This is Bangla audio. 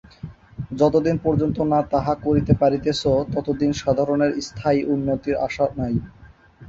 যতদিন পর্যন্ত না তাহা করিতে পারিতেছ, ততদিন সাধারণের স্থায়ী উন্নতির আশা নাই।